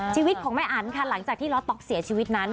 ชีวิตของแม่อันค่ะหลังจากที่ล้อต๊อกเสียชีวิตนั้น